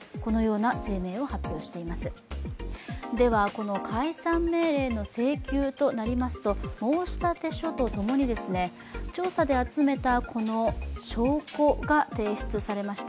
この解散命令の請求となりますと申し立て書とともに調査で集めたこの証拠が提出されました。